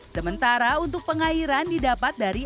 sementara untuk pengairan didapat dari